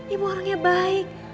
ibu orangnya baik